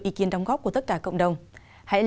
xin cảm ơn xin chào và hẹn gặp lại